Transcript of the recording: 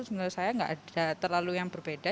menurut saya nggak ada terlalu yang berbeda